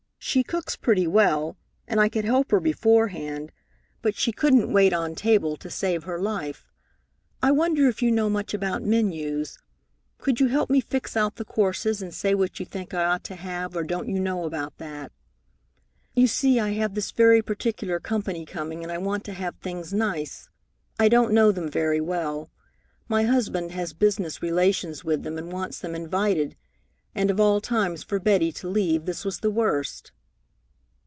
She cooks pretty well, and I could help her beforehand, but she couldn't wait on table, to save her life. I wonder if you know much about menus. Could you help me fix out the courses and say what you think I ought to have, or don't you know about that? You see, I have this very particular company coming, and I want to have things nice. I don't know them very well. My husband has business relations with them and wants them invited, and of all times for Betty to leave this was the worst!"